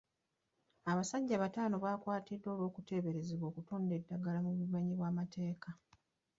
Abasajja bataano baakwatiddwa olw'okuteeberezebwa okutunda eddagala mu bumenyi bw'amateeka.